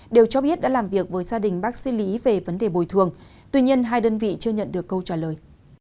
đều cho biết đã làm việc với gia đình bác sĩ lý về vấn đề bồi thường tuy nhiên hai đơn vị chưa nhận được câu trả lời